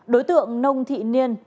đối tượng nông thị niên